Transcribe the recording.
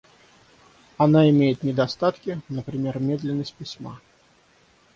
Она имеет недостатки, например медленность письма.